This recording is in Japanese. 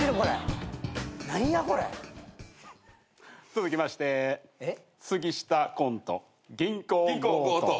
続きまして杉下コント銀行強盗。